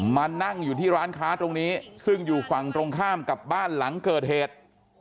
มานั่งอยู่ที่ร้านค้าตรงนี้ซึ่งอยู่ฝั่งตรงข้ามกับบ้านหลังเกิดเหตุ